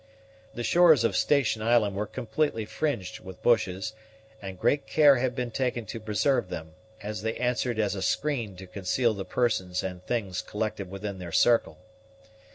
The shores of Station Island were completely fringed with bushes, and great care had been taken to preserve them, as they answered as a screen to conceal the persons and things collected within their circle.